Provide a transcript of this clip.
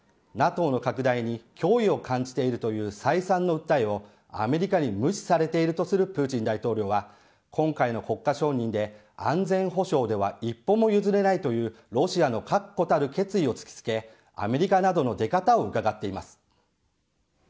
ＮＡＴＯの拡大に脅威を感じているという再三の訴えを、アメリカに無視されているとするプーチン大統領は、今回の国家承認で、安全保障では一歩も譲れないというロシアの確固たる決意を突きつけ、アメリカなどの出方をうかがっています。